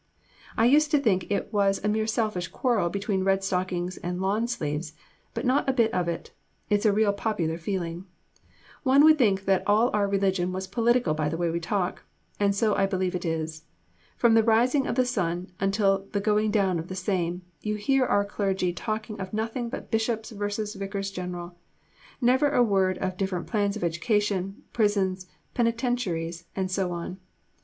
I used to think it was a mere selfish quarrel between red stockings and lawn sleeves; but not a bit of it; it's a real popular feeling. One would think that all our religion was political by the way we talk, and so I believe it is. From the rising of the sun until the going down of the same, you hear our clergy talking of nothing but Bishops versus Vicars General never a word of different plans of education, prisons, penitentiaries, and so on.